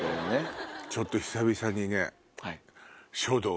ちょっと久々にね。